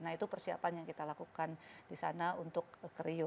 nah itu persiapan yang kita lakukan di sana untuk ke rio